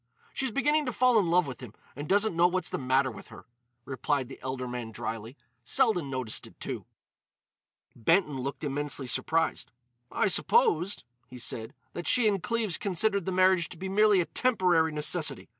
"She's beginning to fall in love with him and doesn't know what's the matter with her," replied the elder man drily. "Selden noticed it, too." Benton looked immensely surprised. "I supposed," he said, "that she and Cleves considered the marriage to be merely a temporary necessity.